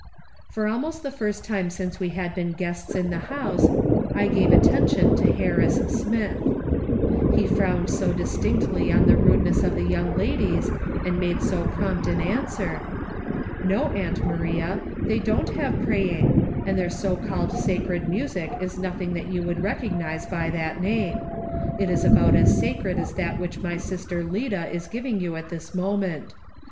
For almost the first time since we had been guests in the house, I gave attention to Harris Smith. "/ DO DISLIKE SCENES." 149 He frowned so distinctly on the rudeness of the young ladies, and made so prompt an answer :" No, aunt Maria, they don't have praying, and their so called sacred music is nothing that you would recognise by that name. It is about as sacred as that wliich my sister Lida is giving you at this moment.